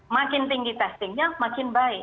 makin tinggi testingnya makin baik